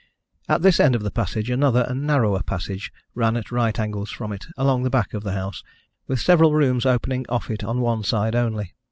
At this end of the passage another and narrower passage ran at right angles from it along the back of the house, with several rooms opening off it on one side only.